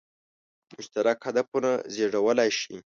مشترک هدفونه زېږولای شي.